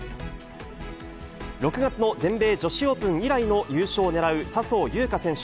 ６月の全米女子オープン以来の優勝を狙う笹生優花選手。